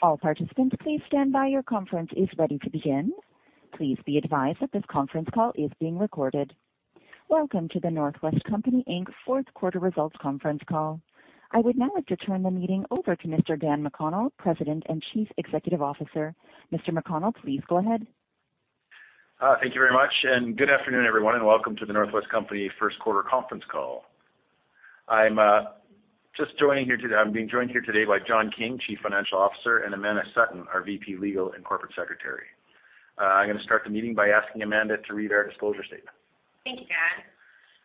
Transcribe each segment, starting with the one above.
All participants, please standby. Your conference is ready to begin. Please be advised that this conference call is being recorded. Welcome to The North West Company Inc.'s fourth quarter results conference call. I would now like to turn the meeting over to Mr. Dan McConnell, President and Chief Executive Officer. Mr. McConnell, please go ahead. Thank you very much, and good afternoon, everyone, and welcome to the North West Company first quarter conference call. I'm being joined here today by John King, Chief Financial Officer, and Amanda Sutton, our VP Legal and Corporate Secretary. I'm gonna start the meeting by asking Amanda to read our disclosure statement. Thank you, Dan.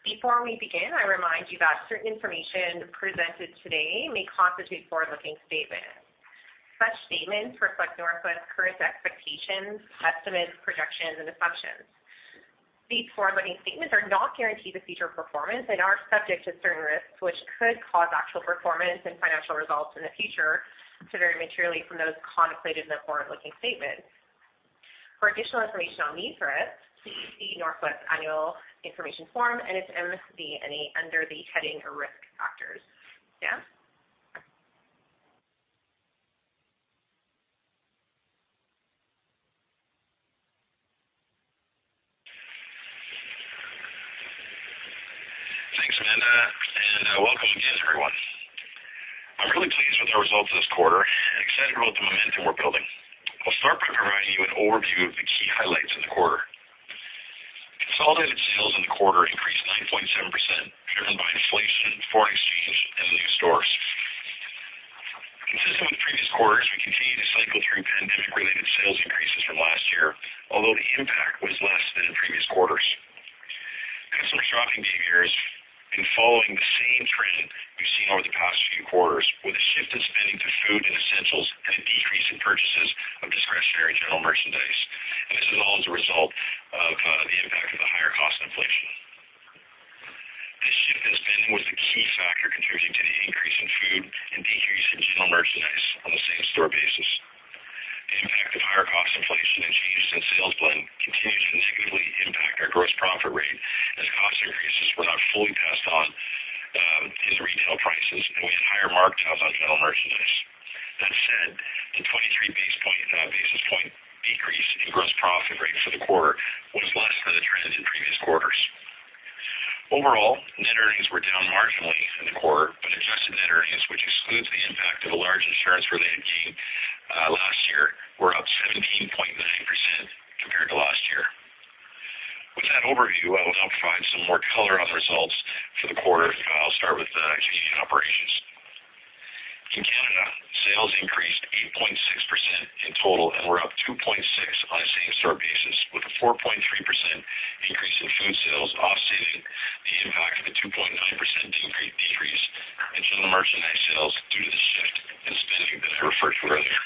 Before we begin, I remind you that certain information presented today may constitute forward-looking statements. Such statements reflect North West current expectations, estimates, projections, and assumptions. These forward-looking statements are not guarantees of future performance and are subject to certain risks, which could cause actual performance and financial results in the future to vary materially from those contemplated in the forward-looking statements. For additional information on these risks, please see North West annual information form and its MD&A under the heading Risk Factors. Dan? Thanks, Amanda, welcome again, everyone. I'm really pleased with our results this quarter and excited about the momentum we're building. I'll start by providing you an overview of the key highlights in the quarter. Consolidated sales in the quarter increased 9.7%, driven by inflation, foreign exchange and new stores. Consistent with previous quarters, we continue to cycle through pandemic-related sales increases from last year, although the impact was less than in previous quarters. Customer shopping behavior has been following the same trend we've seen over the past few quarters, with a shift in spending to food and essentials and a decrease in purchases of discretionary general merchandise. This is all as a result of the impact of the higher cost inflation. This shift in spending was a key factor contributing to the increase in food and decrease in general merchandise on the same store basis. The impact of higher cost inflation and changes in sales blend continued to negatively impact our gross profit rate as cost increases were not fully passed on in retail prices, and we had higher markdowns on general merchandise. That said, the 23 basis point decrease in gross profit rate for the quarter was less than the trend in previous quarters. Overall, net earnings were down marginally in the quarter, but adjusted net earnings, which excludes the impact of a large insurance-related gain last year, were up 17.9% compared to last year. With that overview, I will now provide some more color on the results for the quarter, and I'll start with the Canadian operations. In Canada, sales increased 8.6% in total and were up 2.6% on a same-store basis, with a 4.3% increase in food sales offsetting the impact of a 2.9% decrease in general merchandise sales due to the shift in spending that I referred to earlier.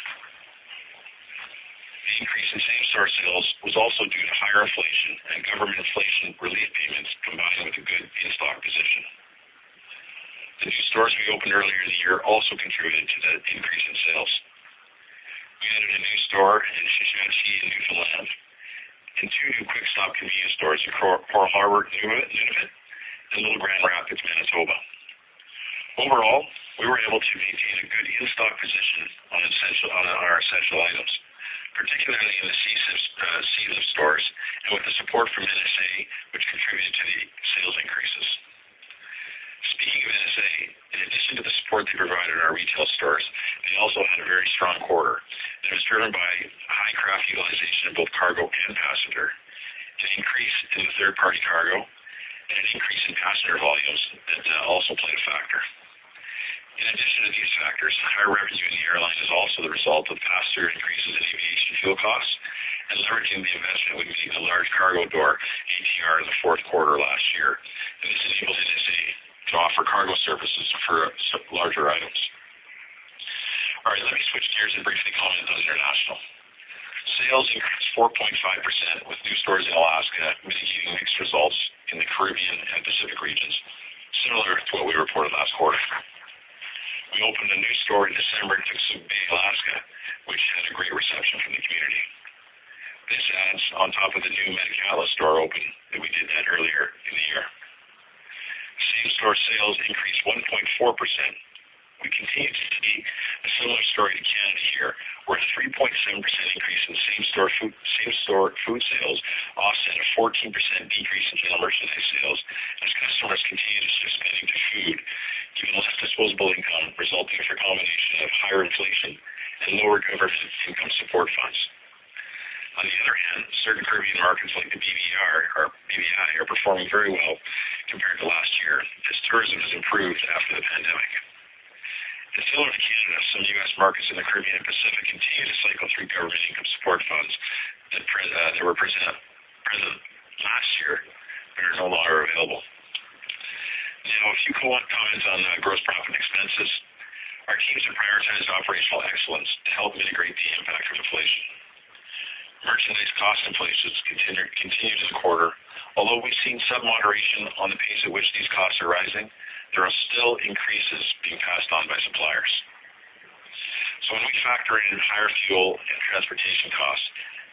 The increase in same-store sales was also due to higher inflation and government inflation relief payments combining with a good in-stock position. The new stores we opened earlier in the year also contributed to the increase in sales. We added a new store in Sheshatshiu in Newfoundland and two new Quickstop convenience stores in Coral Harbour, Nunavut, and Little Grand Rapids, Manitoba. Overall, we were able to maintain a good in-stock position on our essential items, particularly in the Quickstop stores and with the support from NSA, which contributed to the sales increases. Speaking of NSA, in addition to the support they provided our retail stores, they also had a very strong quarter that was driven by high craft utilization in both cargo and passenger. It increased in the third-party cargo and an increase in passenger volumes that also played a factor. In addition to these factors, the higher revenue in the airline is also the result of passenger increases in aviation fuel costs and the return on the investment when we moved a large cargo door ATR in the fourth quarter last year, and this enabled NSA to offer cargo services for larger items. All right, let me switch gears and briefly comment on international. Sales increased 4.5% with new stores in Alaska, with a unique mixed results in the Caribbean and Pacific regions, similar to what we reported last quarter. We opened a new store in December in Toksook Bay, Alaska, which had a great reception from the community. This adds on top of the new Metlakatla store open that we did that earlier in the year. Same-store sales increased 1.4%. We continued to see a similar story to Canada here, where the 3.7% increase in same-store food sales offset a 14% decrease in general merchandise sales as customers continued to shift spending to food, due to less disposable income resulting from a combination of higher inflation and lower government income support funds. On the other hand, certain Caribbean markets like the BVI are performing very well compared to last year as tourism has improved after the pandemic. Similar to Canada, some U.S. markets in the Caribbean and Pacific continue to cycle through government income support funds that were present last year but are no longer available. A few quick comments on the gross profit expenses. Our teams have prioritized operational excellence to help mitigate the impact of inflation. Merchandise cost inflation has continued this quarter. Although we've seen some moderation on the pace at which these costs are rising, there are still increases being passed on by suppliers. When we factor in higher fuel and transportation costs,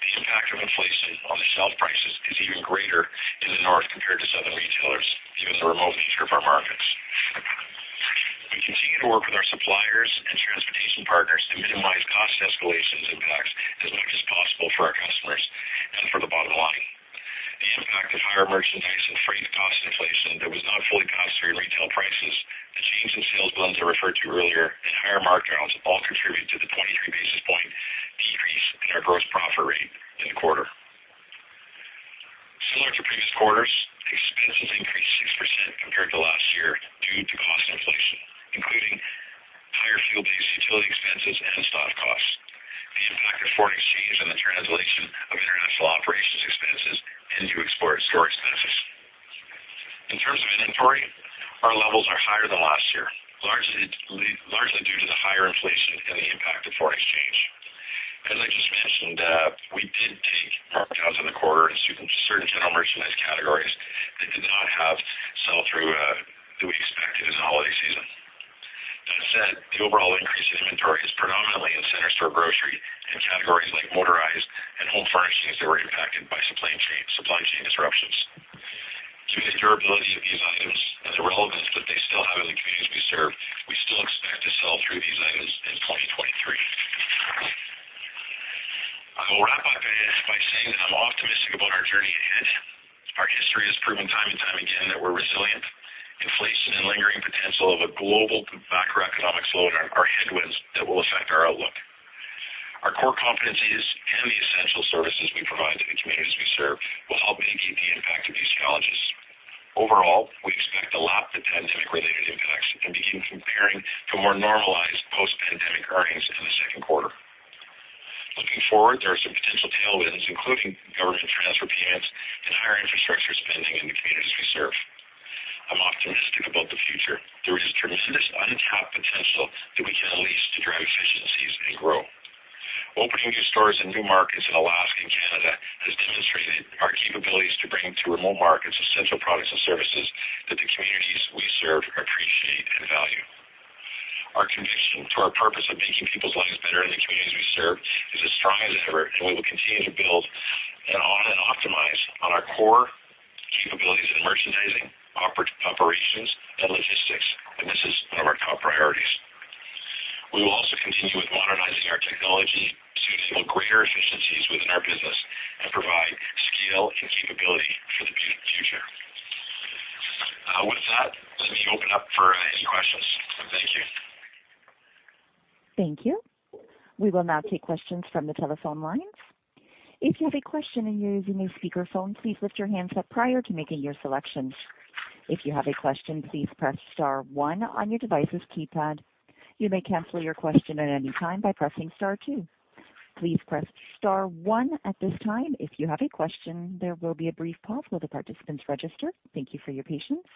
the impact of inflation on the sale prices is even greater in the north compared to southern retailers given the remote nature of our markets. We continue to work with our suppliers and transportation partners to minimize cost escalations impacts as much as possible for our customers and for the bottom line. The impact of higher merchandise and freight cost inflation that was not fully passed through retail prices, the change in sales blends I referred to earlier and higher markdowns all contribute to the 23 basis points decrease in our gross profit rate in the quarter. Similar to previous quarters, expenses increased 6% compared to last year due to cost inflation, including higher fuel-based utility expenses and stock costs. The impact of foreign exchange and the translation of international operations expenses into export store expenses. In terms of inventory, our levels are higher than last year, largely due to the higher inflation and the impact of foreign exchange. As I just mentioned, we did take markdowns in the quarter in certain general merchandise categories that did not have sell-through that we expected as a holiday season. That said, the overall increase in inventory is predominantly in centers for grocery and categories like motorized and home furnishings that were impacted by supply chain disruptions. Due to the durability of these items and the relevance that they still have in the communities we serve, we still expect to sell through these items in 2023. I will wrap up by saying that I'm optimistic about our journey ahead. Our history has proven time and time again that we're resilient. Inflation and lingering potential of a global macroeconomic slowdown are headwinds that will affect our outlook. Our core competencies and the essential services we provide to the communities we serve will help mitigate the impact of these challenges. Overall, we expect to lap the pandemic-related impacts and begin comparing to more normalized post-pandemic earnings in the second quarter. Looking forward, there are some potential tailwinds, including government transfer payments and higher infrastructure spending in the communities we serve. I'm optimistic about the future. There is tremendous untapped potential that we can unleash to drive efficiencies and grow. Opening new stores in new markets in Alaska and Canada has demonstrated our capabilities to bring to remote markets essential products and services that the communities we serve appreciate and value. Our conviction to our purpose of making people's lives better in the communities we serve is as strong as ever. We will continue to build on and optimize on our core capabilities in merchandising, operations, and logistics. This is one of our top priorities. We will also continue with modernizing our technology to enable greater efficiencies within our business and provide scale and capability for the future. With that, let me open up for any questions. Thank you. Thank you. We will now take questions from the telephone lines. If you have a question and you're using a speakerphone, please lift your handset prior to making your selections. If you have a question, please press star one on your device's keypad. You may cancel your question at any time by pressing star two. Please press star one at this time if you have a question. There will be a brief pause while the participants register. Thank you for your patience.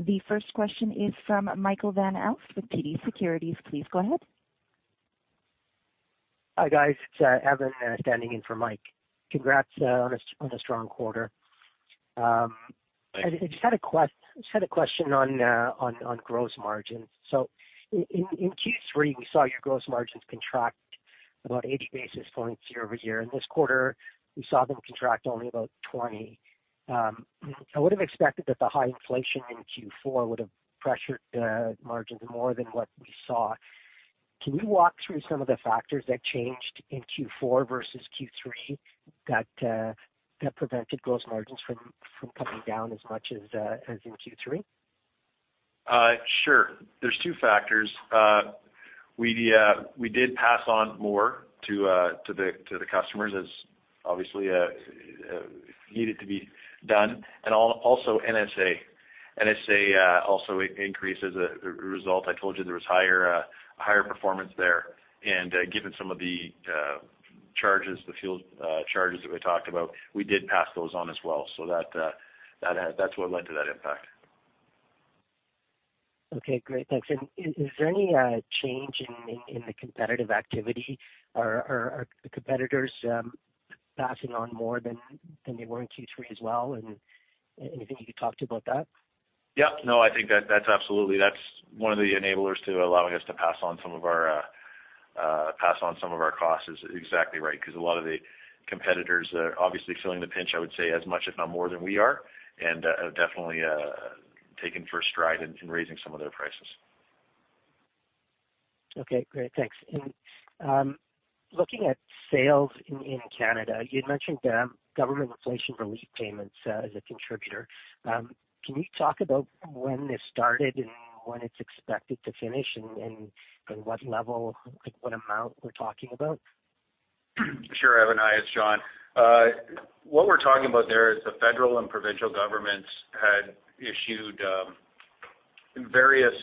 The first question is from Michael Van Aelst with TD Securities. Please go ahead. Hi, guys. It's Evan standing in for Mike. Congrats on a strong quarter. Thanks. I just had a question on gross margin. In Q3, we saw your gross margins contract about 80 basis points year-over-year. In this quarter, we saw them contract only about 20 basis points. I would have expected that the high inflation in Q4 would have pressured margins more than what we saw. Can you walk through some of the factors that changed in Q4 versus Q3 that prevented gross margins from coming down as much as in Q3? Sure. There's two factors. We did pass on more to the customers as obviously needed to be done, and also NSA. NSA also increased as a result. I told you there was higher performance there. Given some of the charges, the fuel charges that we talked about, we did pass those on as well. That's what led to that impact. Okay, great. Thanks. Is there any change in the competitive activity or are the competitors passing on more than they were in Q3 as well? Anything you could talk to about that? No, I think that's absolutely, that's one of the enablers to allowing us to pass on some of our costs is exactly right, 'cause a lot of the competitors are obviously feeling the pinch, I would say as much, if not more, than we are and, have definitely, taken for a stride in raising some of their prices. Okay, great. Thanks. Looking at sales in Canada, you'd mentioned government inflation relief payments as a contributor. Can you talk about when this started and when it's expected to finish and what level, like, what amount we're talking about? Sure, Evan. Hi, it's John. What we're talking about there is the federal and provincial governments had issued, various,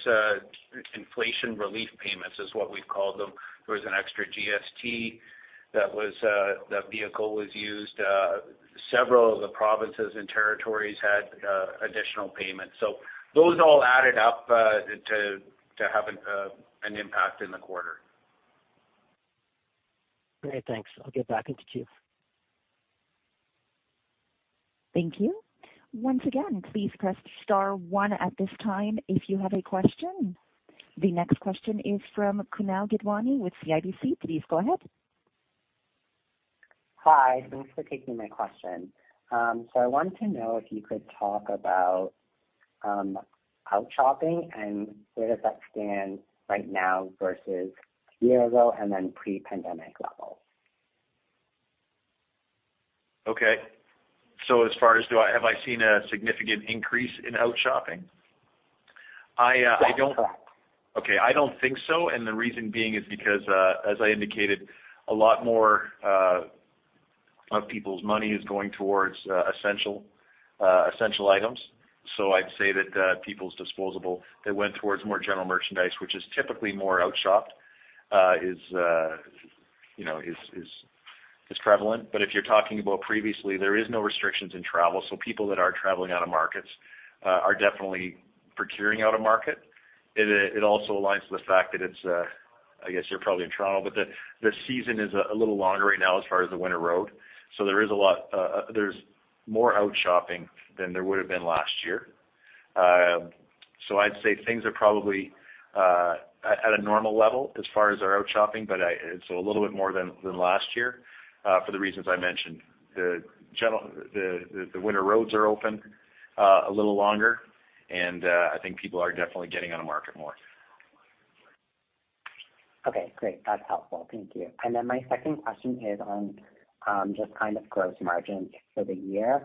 inflation relief payments, is what we've called them. There was an extra GST that was, that vehicle was used. Several of the provinces and territories had, additional payments. Those all added up to have an impact in the quarter. Great. Thanks. I'll get back into queue. Thank you. Once again, please press star one at this time if you have a question. The next question is from Kunal Gidwani with CIBC. Please go ahead. Hi. Thanks for taking my question. I wanted to know if you could talk about outshopping and where does that stand right now versus a year ago and then pre-pandemic levels? Okay. As far as have I seen a significant increase in outshopping? I don't. Yes. Okay, I don't think so. The reason being is because, as I indicated, a lot more of people's money is going towards essential items. I'd say that people's disposable that went towards more general merchandise, which is typically more outshopped, is, you know, is prevalent. If you're talking about previously, there is no restrictions in travel, so people that are traveling out of markets, are definitely procuring out-of-market. It also aligns with the fact that it's, I guess you're probably in Toronto, but the season is a little longer right now as far as the winter road. There's more outshopping than there would've been last year. I'd say things are probably at a normal level as far as our outshopping. Its a little bit more than last year, for the reasons I mentioned. The winter roads are open a little longer and, I think people are definitely getting out of market more. Okay, great. That's helpful. Thank you. My second question is on just kind of gross margins for the year.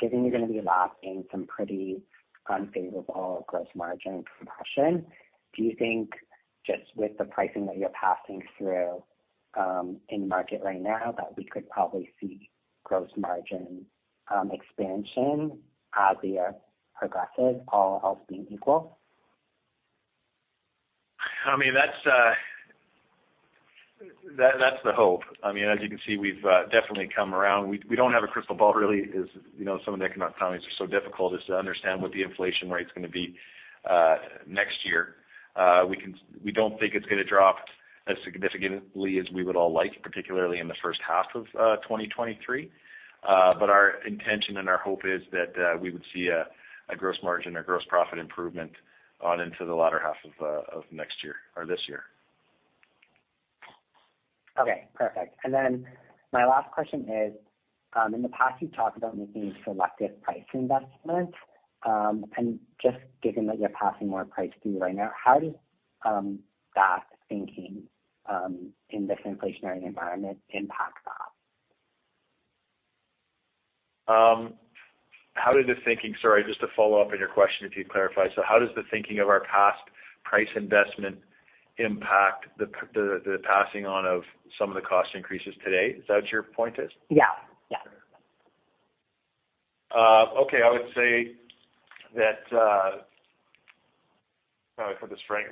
Given you're gonna be locking some pretty unfavorable gross margin compression, do you think just with the pricing that you're passing through in market right now, that we could probably see gross margin expansion as we are progressive, all else being equal? I mean, that's the hope. I mean, as you can see, we've definitely come around. We don't have a crystal ball really as, you know, some of the economics are so difficult is to understand what the inflation rate's gonna be next year. We don't think it's gonna drop as significantly as we would all like, particularly in the first half of 2023. Our intention and our hope is that we would see a gross margin or gross profit improvement on into the latter half of next year or this year. Okay, perfect. My last question is, in the past, you've talked about making selective price investments. Given that you're passing more price through right now, how does that thinking in this inflationary environment impact that? How did the thinking... Sorry, just to follow up on your question, if you'd clarify. How does the thinking of our past price investment impact the passing on of some of the cost increases today? Is that what your point is? Yeah. Yeah. Okay. I would say that, probably put this right.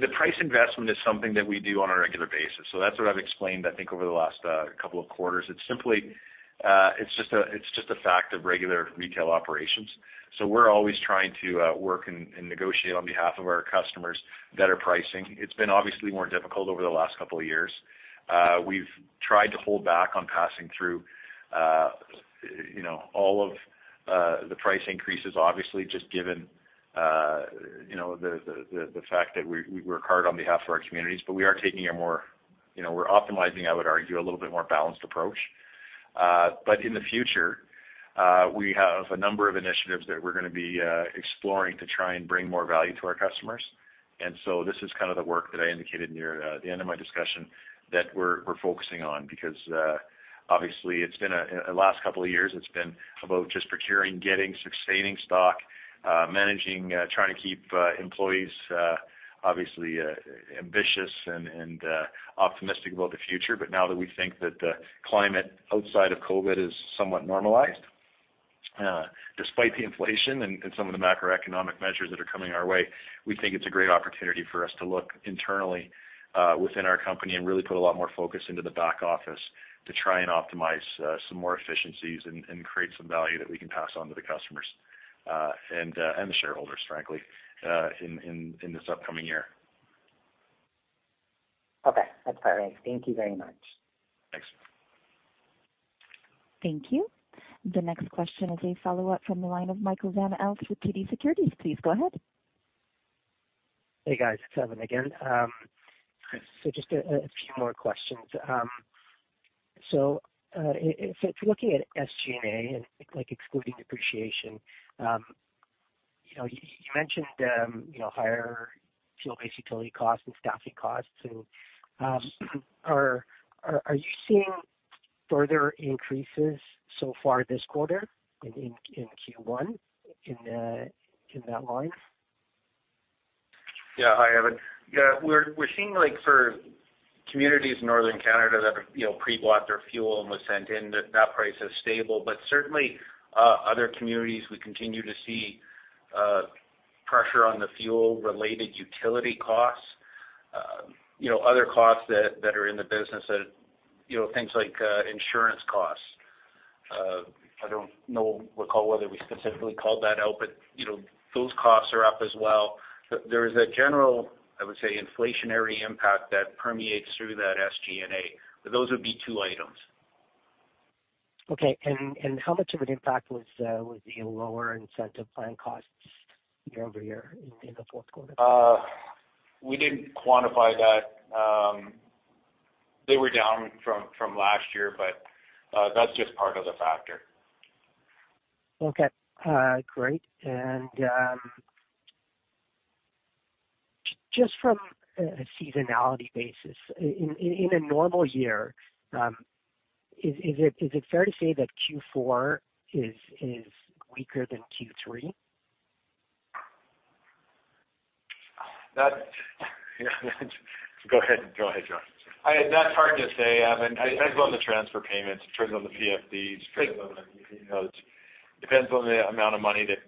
The price investment is something that we do on a regular basis. That's what I've explained, I think, over the last couple of quarters. It's simply, it's just a fact of regular retail operations. We're always trying to work and negotiate on behalf of our customers better pricing. It's been obviously more difficult over the last couple of years. We've tried to hold back on passing through, you know, all of the price increases, obviously, just given, you know, the fact that we work hard on behalf of our communities. We are taking a more, you know, we're optimizing, I would argue, a little bit more balanced approach. In the future, we have a number of initiatives that we're gonna be exploring to try and bring more value to our customers. This is kind of the work that I indicated near the end of my discussion that we're focusing on because obviously it's been a last couple of years it's been about just procuring, getting, sustaining stock, managing, trying to keep employees, obviously, ambitious and optimistic about the future. Now that we think that the climate outside of COVID is somewhat normalized, despite the inflation and some of the macroeconomic measures that are coming our way, we think it's a great opportunity for us to look internally, within our company and really put a lot more focus into the back office to try and optimize some more efficiencies and create some value that we can pass on to the customers, and the shareholders, frankly, in this upcoming year. Okay. That's perfect. Thank you very much. Thanks. Thank you. The next question is a follow-up from the line of Michael Van Aelst with TD Securities. Please go ahead. Hey, guys. It's Evan again. Just a few more questions. If looking at SG&A and like excluding depreciation, you know, you mentioned, you know, higher fuel-based utility costs and staffing costs and are you seeing further increases so far this quarter in Q1 in that line? Yeah. Hi, Evan. Yeah, we're seeing like for communities in Northern Canada that, you know, pre-bought their fuel and was sent in, that that price is stable. Certainly, other communities we continue to see pressure on the fuel-related utility costs. You know, other costs that are in the business that, you know, things like insurance costs. I don't know, recall whether we specifically called that out, but, you know, those costs are up as well. There is a general, I would say, inflationary impact that permeates through that SG&A. Those would be two items. Okay. And how much of an impact was the lower incentive plan costs year-over-year in the fourth quarter? We didn't quantify that. They were down from last year, but that's just part of the factor. Okay. Great. Just from a seasonality basis, in a normal year, is it fair to say that Q4 is weaker than Q3? That's. Go ahead. Go ahead, John. That's hard to say, Evan. Depends on the transfer payments. Depends on the PFDs. Depends on, you know, it depends on the amount of money that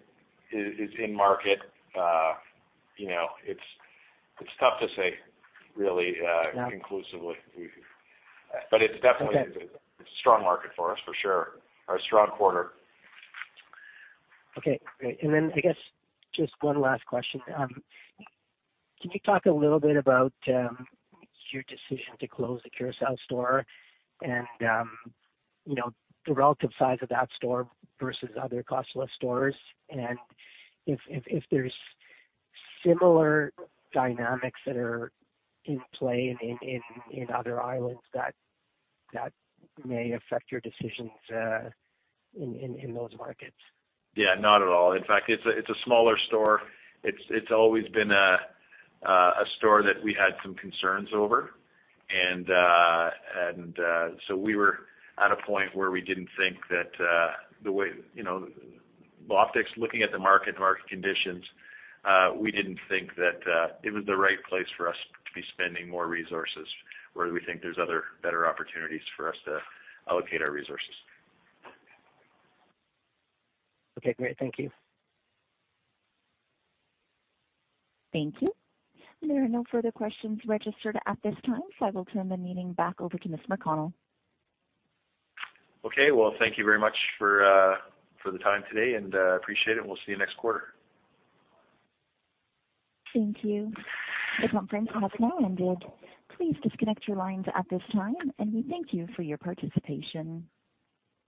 is in market. you know, it's tough to say really conclusively, but it's definitely a strong market for us for sure, or a strong quarter. Okay. Great. I guess just one last question. Can you talk a little bit about your decision to close the Curacao store and, you know, the relative size of that store versus other Cost-Plus stores, and if there's similar dynamics that are in play in other islands that may affect your decisions in those markets? Yeah, not at all. In fact, it's a, it's a smaller store. It's, it's always been a store that we had some concerns over. So we were at a point where we didn't think that, you know, well, optics, looking at the market conditions, we didn't think that it was the right place for us to be spending more resources, where we think there's other better opportunities for us to allocate our resources. Okay, great. Thank you. Thank you. There are no further questions registered at this time, so I will turn the meeting back over to Mr. McConnell. Okay. Well, thank you very much for the time today, and, appreciate it, and we'll see you next quarter. Thank you. The conference has now ended. Please disconnect your lines at this time, and we thank you for your participation.